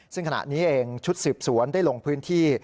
ซึ่งขณะนี้เองชุดสืบสวนได้ลงพื้นที่